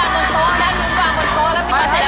เอาด้านมุมหวางบนโต๊ะ